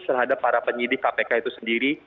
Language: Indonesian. terhadap para penyidik kpk itu sendiri